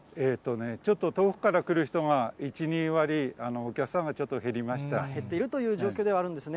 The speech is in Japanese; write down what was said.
ちょっと遠くから来る人が１、２割、減っているという状況ではあるんですね。